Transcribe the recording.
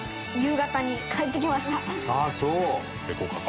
ああそう！